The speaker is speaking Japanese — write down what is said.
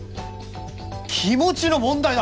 気持ちの問題だ！